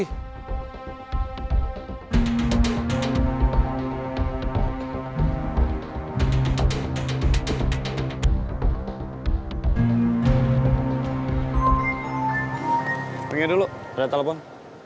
pernah tanya dulu ada telepon